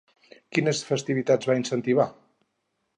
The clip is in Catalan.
Quines festivitats va incentivar?